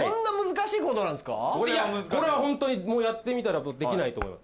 いやこれはホントにもうやってみたらできないと思います。